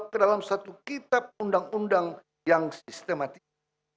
ke dalam satu kitab undang undang yang sistematik